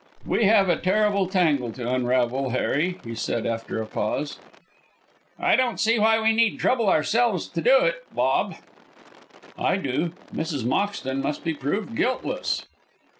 "We have a terrible tangle to unravel, Harry," he said after a pause. "I don't see why we need trouble ourselves to do it, Bob." "I do. Mrs. Moxton must be proved guiltless."